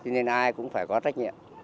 nên ai cũng phải có trách nhiệm